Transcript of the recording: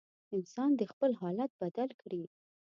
انسان دې خپل حالت بدل کړي.